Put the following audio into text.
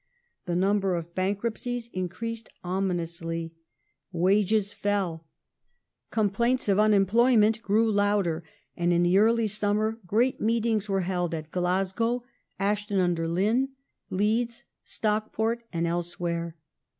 The number of bankruptcies increased ominously ; wages fell ; 1819 complaints of unemployment grew louder, and in the early summer great meetings were held at Glasgow, Ashton under Lyne, Leeds, Stockport, and elsewhere.